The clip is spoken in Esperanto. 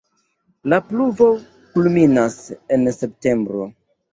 La pluvo kulminas en septembro.